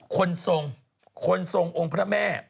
คนทรงคนทรงองค์พระแม่